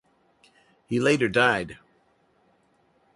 He later died.